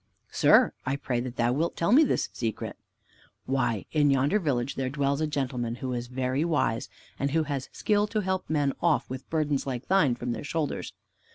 "Sir, I pray that thou wilt tell me this secret." "Why, in yonder village there dwells a gentleman, who is very wise, and who has skill to help men off with burdens like thine from their shoulders.